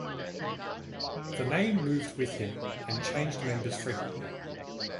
The name moved with him, and changed members frequently.